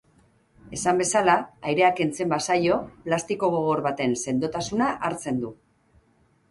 Esan bezala, airea kentzen bazaio, plastiko gogor baten sendotasuna hartzen du.